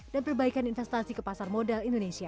dan perbaikan investasi ke pasar modal indonesia